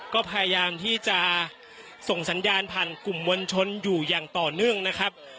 ก็พยายามที่จะส่งสัญญาณผ่านกลุ่มมวลชนอยู่อย่างต่อเนื่องนะครับ